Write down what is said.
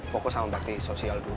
fokus sama bakti sosial dulu